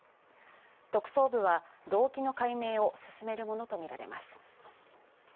特捜部は動機の解明を進めるものとみられます。